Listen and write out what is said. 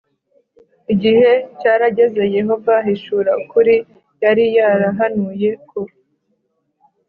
Igihe cyarageze yehova ahishura ukuri yari yarahanuye ko